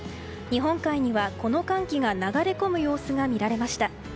日本海にはこの寒気が流れ込む様子が見られました。